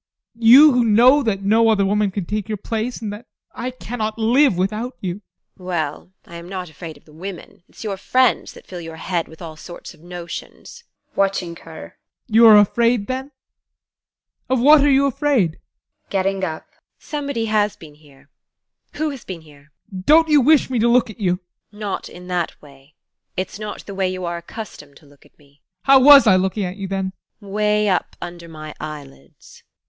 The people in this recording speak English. You who know that no other woman can take your place, and that I cannot live without you! TEKLA. Well, I am not afraid of the women it's your friends that fill your head with all sorts of notions. ADOLPH. [Watching her] You are afraid then? Of what are you afraid? TEKLA. [Getting up] Somebody has been here. Who has been here? ADOLPH. Don't you wish me to look at you? TEKLA. Not in that way: it's not the way you are accustomed to look at me. ADOLPH. How was I looking at you then? TEKLA. Way up under my eyelids.